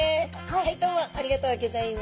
はいどうもありがとうギョざいます！